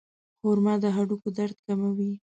خرما د هډوکو درد کموي.